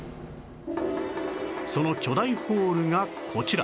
その巨大ホールがこちら